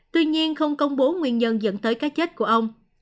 tuy nhiên không công bố nguyên nhân dẫn tới cái chết của ông